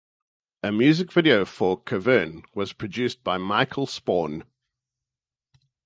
A music video for "Cavern" was produced by Michael Sporn.